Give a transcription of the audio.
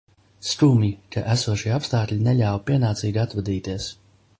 Skumji, ka esošie apstākļi neļāva pienācīgi atvadīties.